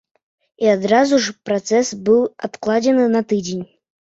І адразу ж працэс быў адкладзены на тыдзень.